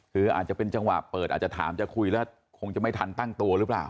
คืออาจจะเป็นจังหวะเปิดอาจจะถามจะคุยแล้วคงจะไม่ทันตั้งตัวหรือเปล่า